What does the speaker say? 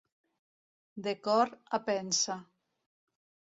De cor a pensa.